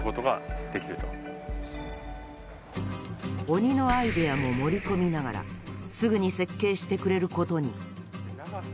鬼のアイデアも盛り込みながらすぐに設計してくれる事に。